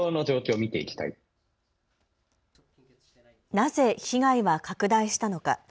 なぜ被害は拡大したのか。